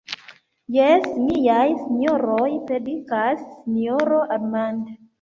Jes, miaj sinjoroj, predikas sinjoro Armand.